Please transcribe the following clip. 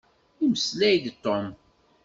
Imeslay-d Tom.